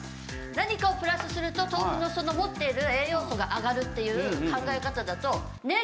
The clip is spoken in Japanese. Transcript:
何かをプラスすると豆腐のその持っている栄養素が上がるっていう考え方だと。